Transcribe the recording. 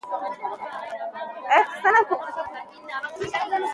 موږ ټول د یوې خاورې بچیان یو.